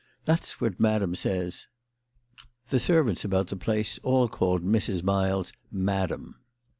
That's what Madam says." The servants about the place all called Mrs. Miles Madam.